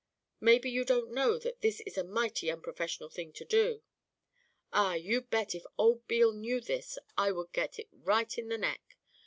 Maybe you don't know that this is a mighty unprofessional thing to do. Ah, you bet, if old Beale knew this I would get it right in the neck.